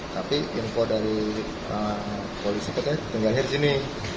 tapi info dari polisi seperti itu tinggal di sini